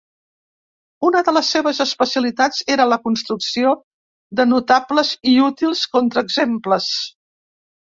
Una de les seves especialitats era la construcció de notables i útils contraexemples.